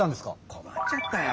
こまっちゃったよ。